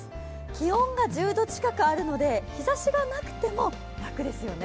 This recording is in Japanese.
気温が１０度近くあるので日ざしがなくても楽ですよね。